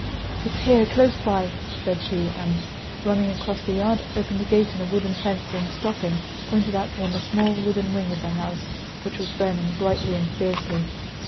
"It's here, close by," said she and, running across the yard, opened a gate in a wooden fence and, stopping, pointed out to him a small wooden wing of the house, which was burning brightly and fiercely.